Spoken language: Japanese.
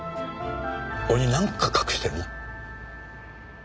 俺になんか隠してるな？